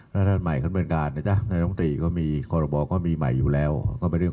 พักผ่อนให้เวลาขอบคุณให้มากขึ้น